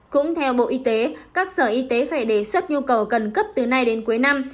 cũng theo bộ y tế các sở y tế phải đề xuất nhu cầu cần cấp từ nay đến cuối năm